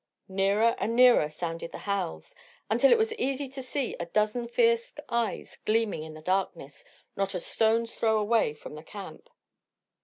Nearer and nearer sounded the howls, until it was easy to see a dozen fierce eyes gleaming in the darkness, not a stone's throw away from the camp.